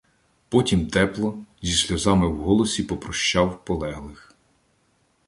Потім тепло, зі сльозами в голосі попрощав полеглих.